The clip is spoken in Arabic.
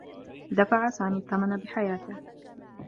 دفع سامي الثّمن بحياته.